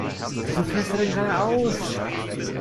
Wieso fährst du denn geradeaus?